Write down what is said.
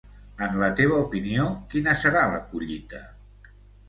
En la teva opinió, quina serà la collita?